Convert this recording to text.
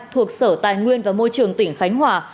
thuộc sở tài nguyên và môi trường tỉnh khánh hòa